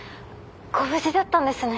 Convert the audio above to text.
ご無事だったんですね。